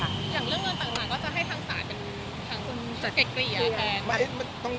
อย่างเรื่องเงินต่างก็จะให้ทางศาสตร์จะเก็บไปอย่างแทน